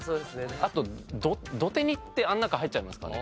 あとどて煮ってあの中入っちゃいますかね？